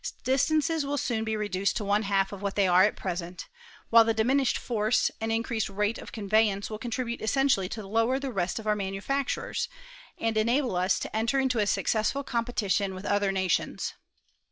Bistances will soon be reduced to one half of what they are at pre sent ; while the diminished force and increased rata of conveyance will contribute essentially to lower the rest of our manufactures, and enable us to enter into a successful competition with other nations.